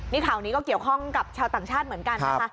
นี่ข่าวนี้ก็เกี่ยวข้องกับชาวต่างชาติเหมือนกันนะคะ